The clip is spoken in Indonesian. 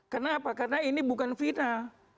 kenapa karena ini bukan final